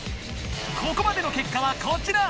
ここまでの結果はこちら。